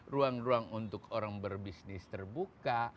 ruang ruang untuk orang berbisnis terbuka